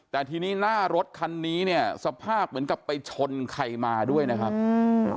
แต่ทีนี้หน้ารถคันนี้เนี่ยสภาพเหมือนกับไปชนใครมาด้วยนะครับอืม